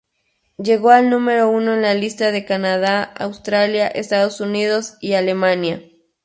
Llegó al número uno en la lista de Canadá, Australia, Estados Unidos y Alemania.